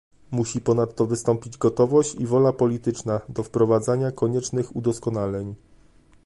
Musi ponadto wystąpić gotowość i wola polityczna do wprowadzenia koniecznych udoskonaleń